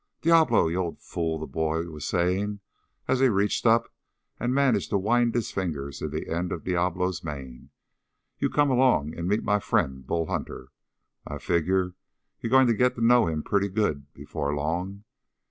"Diablo, you old fool," the boy was saying, as he reached up and managed to wind his fingers in the end of Diablo's mane, "you come along and meet my friend, Bull Hunter. I figure you're going to get to know him pretty good before long.